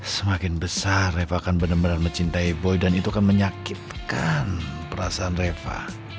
semakin besar reva akan benar benar mencintai boy dan itu akan menyakitkan perasaan reva